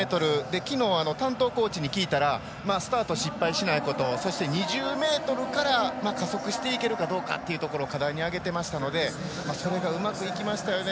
昨日、担当コーチに聞いたらスタート失敗しないことそして、２０ｍから加速していけるかどうかを課題に挙げていたのでそれがうまくいきましたよね。